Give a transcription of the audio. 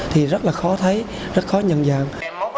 thì rất là khó thấy rất khó nhận dạng